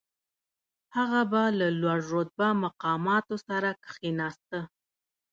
هغه به له لوړ رتبه مقاماتو سره کښېناسته.